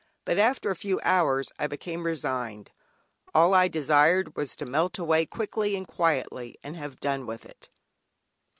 But after a few hours I became resigned; all I desired was to melt away quickly and quietly, and have done with it.